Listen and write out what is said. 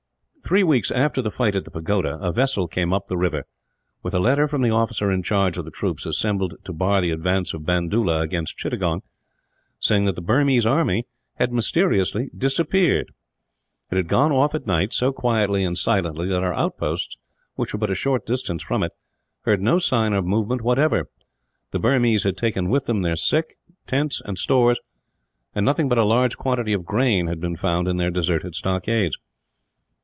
Three weeks after the fight at the pagoda a vessel came up the river, with a letter from the officer in command of the troops assembled to bar the advance of Bandoola against Chittagong, saying that the Burmese army had mysteriously disappeared. It had gone off at night, so quietly and silently that our outposts, which were but a short distance from it, heard no sign or movement, whatever. The Burmese had taken with them their sick, tents, and stores; and nothing but a large quantity of grain had been found in their deserted stockades.